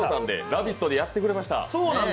「ラヴィット！」でやってくれました。